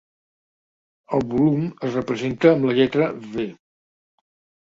El volum es representa amb la lletra "V".